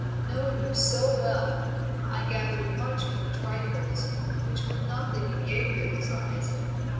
Knowing you so well, I gathered much from trifles which were nothing in Gabriel's eyes.